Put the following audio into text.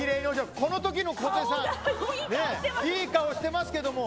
このときの小手さんいい顔してますけど。